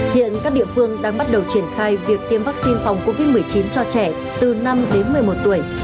hiện các địa phương đang bắt đầu triển khai việc tiêm vaccine phòng covid một mươi chín cho trẻ từ năm đến một mươi một tuổi